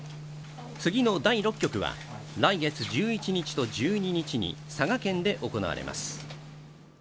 次の第６局は来月１１日と１２日に佐賀県で行われます。